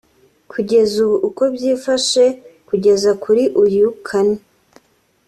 Kugeza ubu uko byifashe kugeza kuri uyu kane